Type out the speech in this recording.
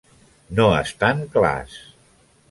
No estan clars.